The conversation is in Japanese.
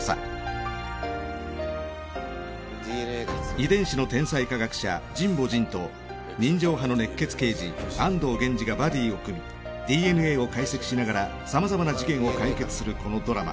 遺伝子の天才科学者神保仁と人情派の熱血刑事安堂源次がバディを組みＤＮＡを解析しながらさまざまな事件を解決するこのドラマ。